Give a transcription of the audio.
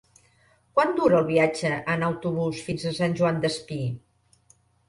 Quant dura el viatge en autobús fins a Sant Joan Despí?